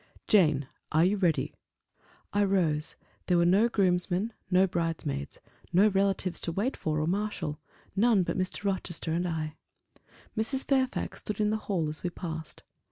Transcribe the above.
"Jane, are you ready?" I rose. There were no groomsmen, no bridesmaids, no relatives to wait for or marshal; none but Mr. Rochester and I. Mrs. Fairfax stood in the hall as we passed.